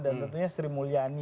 dan tentunya sri mulyani ya